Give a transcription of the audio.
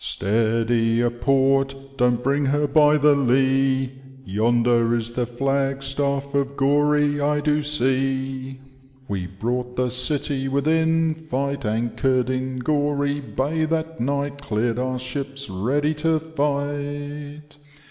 " Steady aport I Don't bring her by the lee Yonder is the flagstaff of Goree I do see. We brought the city within fight, Anchor'd in Goree bay that night, Clear'd our ships ready to fight.